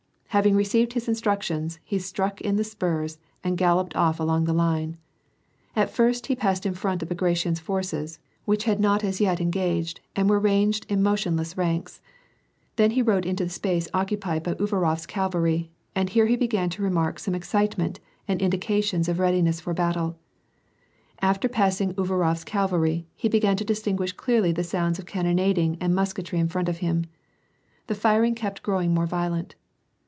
Hav ing received his instructions, he struck in the spurs and galloped off along the line. At first, he passed in front of Bagration's forces, which had not as yet engaged, and were ranged in motionless ranks. Then he rode into the space oecu^ pied by Uvarof's cavalry, and here he began to remark some excitement and indications of readiness for battle ; after pass ing Uvarof 's cavalry, he began to distinguish clearly the sounds of cannonading and musketry in front of him. The firing kept growing more violent.